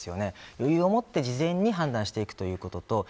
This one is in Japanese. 余裕を持って事前に判断するということ。